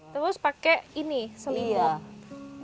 terus pakai ini selimut